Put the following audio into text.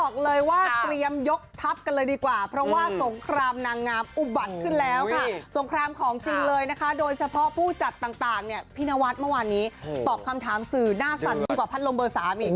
บอกเลยว่าเตรียมยกทัพกันเลยดีกว่าเพราะว่าสงครามนางงามอุบัติขึ้นแล้วค่ะสงครามของจริงเลยนะคะโดยเฉพาะผู้จัดต่างเนี่ยพี่นวัดเมื่อวานนี้ตอบคำถามสื่อหน้าสั่นยิ่งกว่าพัดลมเบอร์๓อีก